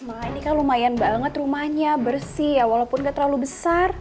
wah ini kan lumayan banget rumahnya bersih ya walaupun gak terlalu besar